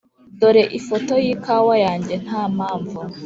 dore ifoto yikawa yanjye ntampamvu.